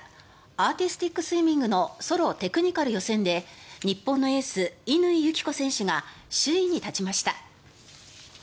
アーティスティックスイミングのソロ・テクニカル予選で日本のエース、乾友紀子選手が首位に立ちました。